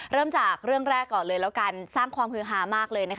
เริ่มจากเรื่องแรกก่อนเลยแล้วกัน